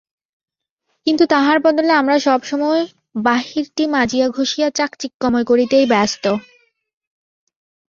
কিন্তু তাহার বদলে আমরা সব সময় বাহিরটি মাজিয়া ঘষিয়া চাকচিক্যময় করিতেই ব্যস্ত।